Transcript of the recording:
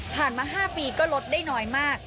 มา๕ปีก็ลดได้น้อยมาก